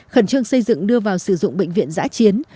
khẩn trương xây dựng đưa vào sử dụng bệnh viện giã chiến